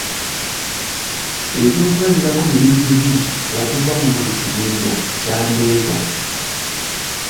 Ebyokulabirako bibiri bibiri okuva mu buli kibinja kya ndeega.